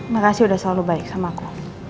makasih udah selalu baik sama aku